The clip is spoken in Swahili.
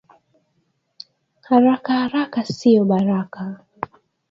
Araka araka sio baraka